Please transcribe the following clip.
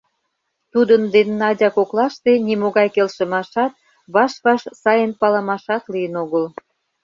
Тудын ден Надя коклаште нимогай келшымашат, ваш-ваш сайын палымашат лийын огыл.